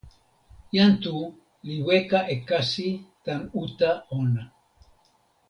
jan Tu li weka e kasi tan uta ona.